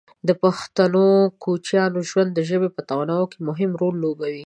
د پښتنو کوچیاني ژوند د ژبې په تنوع کې مهم رول لوبولی دی.